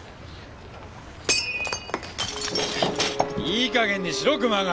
いい加減にしろ熊谷！